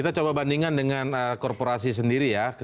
kita coba bandingkan dengan korporasi sendiri ya